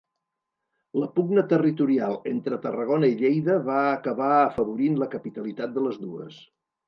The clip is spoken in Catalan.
La pugna territorial entre Tarragona i Lleida va acabar afavorint la capitalitat de les dues.